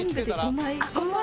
５枚。